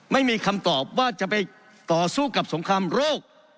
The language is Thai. ไม่มีคำตอบว่าจะไปต่อสู้กับสงครามโรค